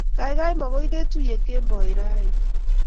Gaigai, magoy ketuiye kemboi raini